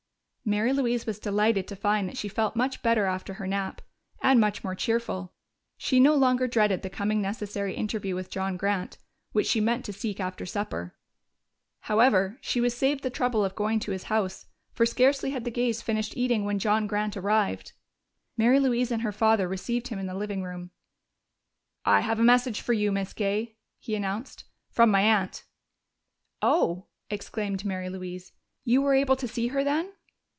Mary Louise was delighted to find that she felt much better after her nap. And much more cheerful. She no longer dreaded the coming necessary interview with John Grant, which she meant to seek after supper. However, she was saved the trouble of going to his house, for scarcely had the Gays finished eating when John Grant arrived. Mary Louise and her father received him in the living room. "I have a message for you, Miss Gay," he announced, "from my aunt." "Oh!" exclaimed Mary Louise. "You were able to see her, then?"